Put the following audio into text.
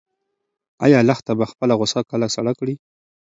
ایا لښته به خپله غوسه کله سړه کړي؟